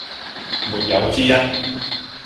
沒有之一